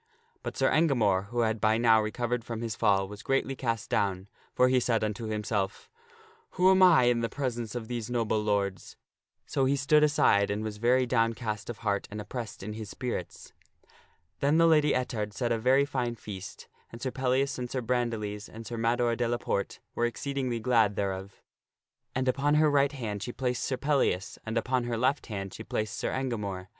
But Sir Engamore, who had by now recovered from his fall, was greatly cast down, for he said unto himself, " Who am I in the presence of these noble lords?" So he stood aside and was very downcast of heart and oppressed in his spirits. Then the Lady Ettard set a very fine feast and Sir Pellias and Sir Bran diles and Sir Mador de la Porte were exceedingly glad thereof. And upon her right hand she placed Sir Pellias, and upon her left hand she placed Sir Engamore.